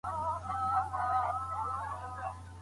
د ميرمني د کرامت او حيثيت ساتنه.